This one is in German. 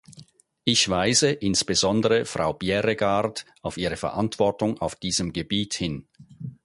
Ich weise insbesondere Frau Bjerregaard auf ihre Verantwortung auf diesem Gebiet hin.